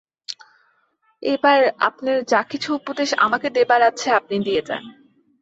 এইবার আপনার যা-কিছু উপদেশ আমাকে দেবার আছে আপনি দিয়ে যান।